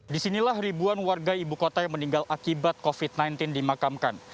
disinilah ribuan warga ibu kota yang meninggal akibat covid sembilan belas dimakamkan